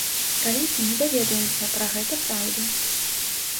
Калісьці мы даведаемся пра гэта праўду.